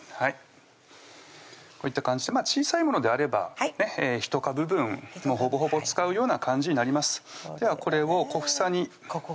こういった感じで小さいものであれば１株分ほぼほぼ使うような感じになりますではこれを小房にここから切るんですよね